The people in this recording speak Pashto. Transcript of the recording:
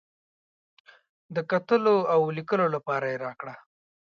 د کتلو او لیکلو لپاره یې راکړه.